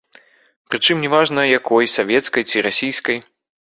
Прычым, не важна якой, савецкай ці расійскай.